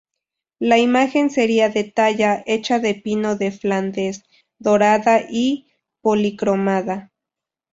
La imagen sería de talla, hecha de pino de Flandes, dorada y policromada.